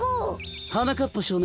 はなかっぱしょうねん